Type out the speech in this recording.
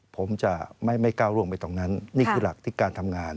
ผมจะไม่ก้าวร่วงไปตรงนั้นนี่คือหลักที่การทำงาน